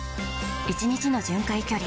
１日の巡回距離